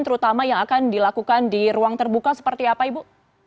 terutama yang akan dilakukan di ruang terbuka seperti apa ibu